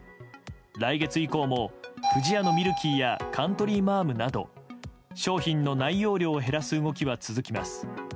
来月以降も不二家のミルキーやカントリーマアムなど商品の内容量を減らす動きは続きます。